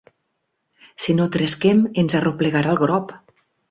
Si no tresquem, ens arreplegarà el grop.